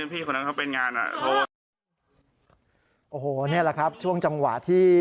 สัตวี้ผู้นำเขาเป็นงานนะโอ้โหเนี่ยนะครับช่วงจังหวะที่